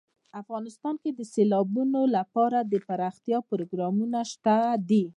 افغانستان کې د سیلابونو لپاره دپرمختیا پروګرامونه شته دي.